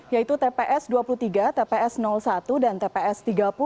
yaitu tps dua puluh tiga tps satu dan tps tiga puluh